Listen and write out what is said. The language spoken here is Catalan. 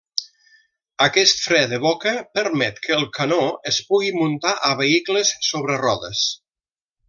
Aquest fre de boca permet que el canó es pugui muntar a vehicles sobre rodes.